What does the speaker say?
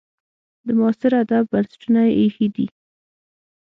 د معاصر ادب بنسټونه یې ایښي دي.